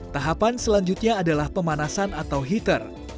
tahapan selanjutnya adalah pemanasan atau heater